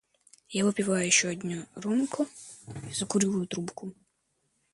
Я выпиваю ещё одну рюмку и закуриваю трубку.